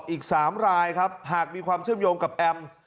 อยู่ระหว่างตรวจสอบอีก๓รายครับหากมีความเชื่อมโยงกับแอมม์